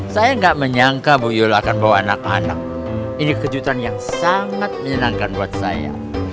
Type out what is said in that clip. saya nggak menyangka bu yula akan bawa anak anak ini kejutan yang sangat menyenangkan buat saya